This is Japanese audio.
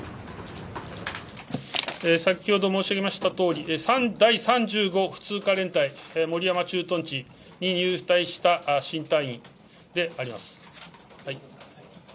先ほど申し上げましたとおり、第３５普通科連隊守山駐屯地に入隊した新隊員であります。